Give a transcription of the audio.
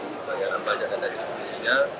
pembayaran banyakkan dari ellosinya